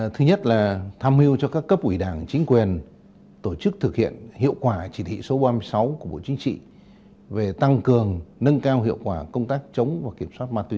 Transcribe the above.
thứ nhất là tham mưu cho các cấp ủy đảng chính quyền tổ chức thực hiện hiệu quả chỉ thị số ba mươi sáu của bộ chính trị về tăng cường nâng cao hiệu quả công tác chống và kiểm soát ma túy